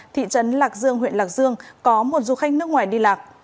thị trấn lạc dương huyện lạc dương có một du khách nước ngoài đi lạc